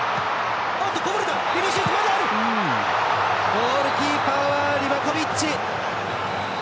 ゴールキーパーはリバコビッチ！